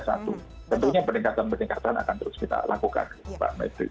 tentunya peningkatan peningkatan akan terus kita lakukan pak menteri